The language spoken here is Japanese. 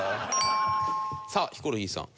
さあヒコロヒーさん。